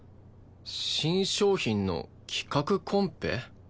新商品の企画コンペ？